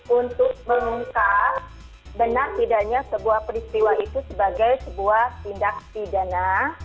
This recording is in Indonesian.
untuk mengungkap benar tidaknya sebuah peristiwa itu sebagai sebuah tindak pidana